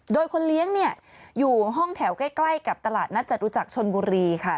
โดยคนเลี้ยงเนี่ยอยู่ห้องแถวใกล้กับตลาดนัดจตุจักรชนบุรีค่ะ